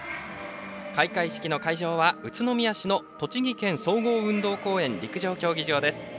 開会式の会場は宇都宮市の総合運動公園陸上競技場です。